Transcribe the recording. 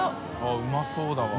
うまそうだわこれ。